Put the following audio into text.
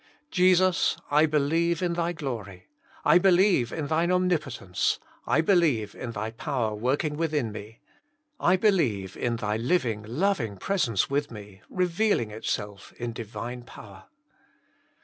Jesus, I be lieve in Thy glory; I believe in Thine omnipotence; I believe in Thy power working within me. I believe in Thy living, loving presence with ine, reveal ing itself in Divine power."